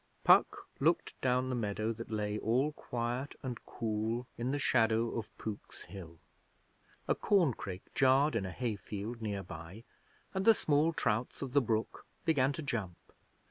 Puck looked down the meadow that lay all quiet and cool in the shadow of Pook's Hill. A corncrake jarred in a hay field near by, and the small trouts of the brook began to jump.